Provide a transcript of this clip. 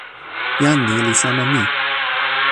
jan ni li sama mi.